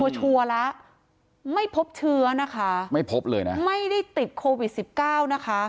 ชัวร์แล้วไม่พบเชื้อนะคะไม่พบเลยนะไม่ได้ติดโควิดสิบเก้านะคะ